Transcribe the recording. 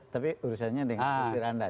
tapi urusannya dengan usir anda